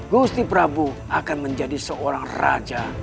gusti prabu akan menjadi seorang raja